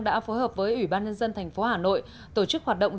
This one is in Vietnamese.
đã phối hợp với ủy ban nhân dân thành phố hà nội tổ chức hoạt động